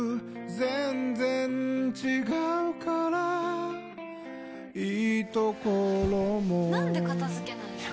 全然違うからいいところもなんで片付けないの？